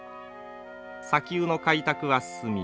砂丘の開拓は進み